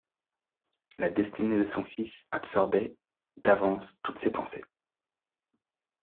La destinée de son fils absorbait d'avance toutes ses pensées.